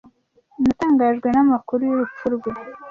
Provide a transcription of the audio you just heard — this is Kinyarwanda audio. Natangajwe n'amakuru y'urupfu rwe